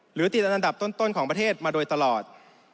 หรือติดอันดับต้นของประเทศมาโดยตลอด